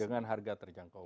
dengan harga terjangkau